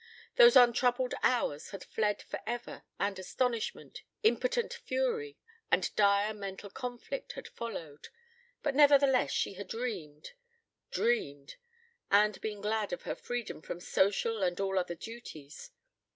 Those untroubled hours had fled for ever and astonishment, impotent fury, and dire mental conflict had followed, but nevertheless she had dreamed dreamed and been glad of her freedom from social and all other duties.